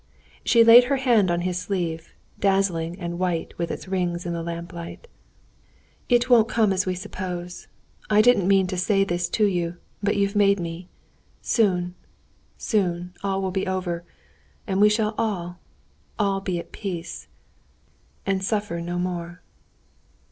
She laid her hand on his sleeve, dazzling and white with its rings in the lamplight. "It won't come as we suppose. I didn't mean to say this to you, but you've made me. Soon, soon, all will be over, and we shall all, all be at peace, and suffer no more."